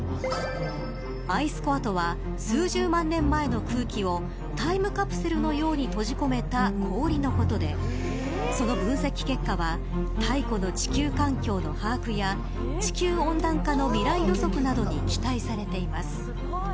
アイスコアとは数十万年前の空気をタイムカプセルのように閉じ込めた氷のことでその分析結果は太古の地球環境の把握や地球温暖化の未来予測などに期待されています。